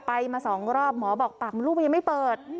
ไปมา๒รอบหมอบอกปากมันลูกยังไม่เปิด